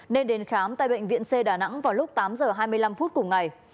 nên đến khám tại bệnh viện c đà nẵng vào lúc tám h hai mươi năm phút cùng ngày